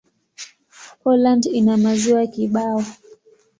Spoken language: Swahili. Poland ina maziwa kibao.